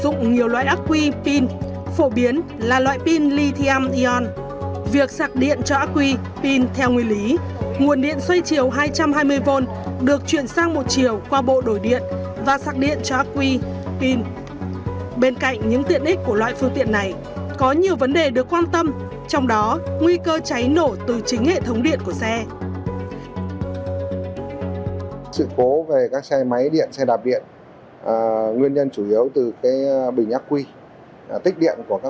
phương tiện này có nhiều vấn đề được quan tâm trong đó nguy cơ cháy nổ từ chính hệ thống điện của xe